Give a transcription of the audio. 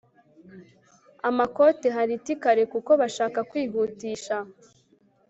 amakote hariti kare kuko bashaka kwihutisha